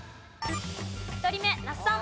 １人目那須さん。